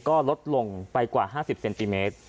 ก็ลดลงไปกว่า๕๐เซนติเมตร